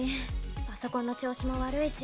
パソコンの調子も悪いし。